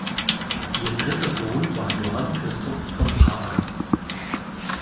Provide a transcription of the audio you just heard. Ihr dritter Sohn war Johann Christoph von Paar.